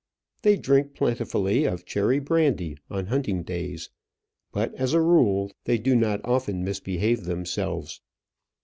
They drink plentifully of cherry brandy on hunting days; but, as a rule, they do not often misbehave themselves.